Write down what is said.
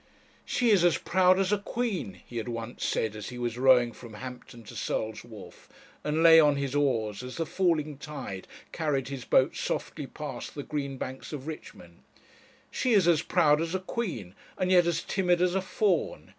'She is as proud as a queen,' he had once said as he was rowing from Hampton to Searle's Wharf, and lay on his oars as the falling tide carried his boat softly past the green banks of Richmond 'she is as proud as a queen, and yet as timid as a fawn.